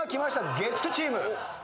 月９チーム。